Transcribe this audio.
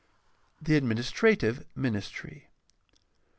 The administrative ministry.